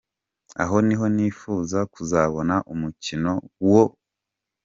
Aho niho nifuza kuzabona umukino wo.